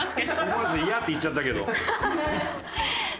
思わず「いや！」って言っちゃったけど。